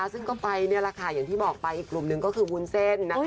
ซึ่งก็ไปนี่แหละค่ะอย่างที่บอกไปอีกกลุ่มหนึ่งก็คือวุ้นเส้น